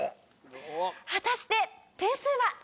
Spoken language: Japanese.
果たして点数は。